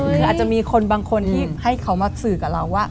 คืออาจจะมีคนบางคนที่ให้เขามาสื่อกับเราว่า